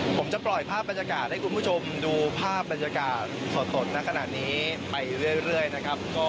ผมจะปล่อยภาพบรรยากาศให้คุณผู้ชมดูภาพบรรยากาศสดในขณะนี้ไปเรื่อยนะครับ